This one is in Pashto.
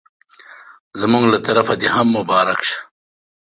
زموږ له طرفه دي هم مبارک سه